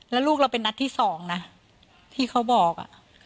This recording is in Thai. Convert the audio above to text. แล้วลูกเราเป็นนัดที่๒นะที่เขาบอก